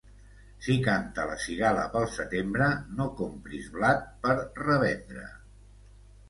Si canta la cigala pel setembre, no compris blat per revendre.